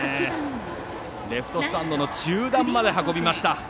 レフトスタンドの中段まで運びました。